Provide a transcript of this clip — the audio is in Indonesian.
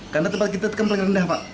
karena tempat kita kan paling rendah pak